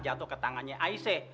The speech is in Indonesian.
jatuh ke tangannya aisyah